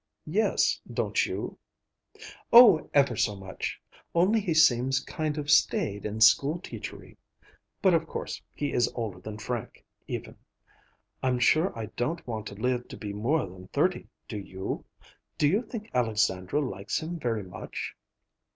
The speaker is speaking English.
"Yes. Don't you?" "Oh, ever so much; only he seems kind of staid and school teachery. But, of course, he is older than Frank, even. I'm sure I don't want to live to be more than thirty, do you? Do you think Alexandra likes him very much?"